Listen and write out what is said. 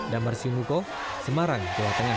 damar sinuko semarang jawa tengah